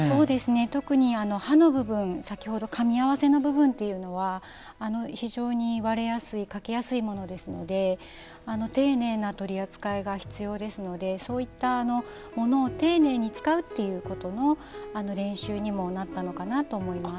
特に歯の部分かみ合わせの部分というのは非常に割れやすい欠けやすいものですので丁寧な取り扱いが必要ですのでそういった物を丁寧に使うっていうことの練習にもなったのかなと思います。